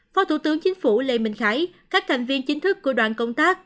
phó thủ tướng chính phủ lê minh khái các thành viên chính thức của đoàn công tác